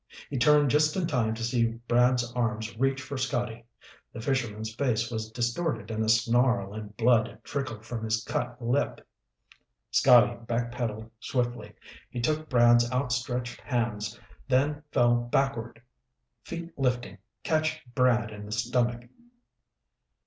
He turned just in time to see Brad's arms reach for Scotty. The fisherman's face was distorted in a snarl and blood trickled from his cut lip. Scotty back pedaled swiftly. He took Brad's out stretched hands, then fell backward, feet lifting, catching Brad in the stomach.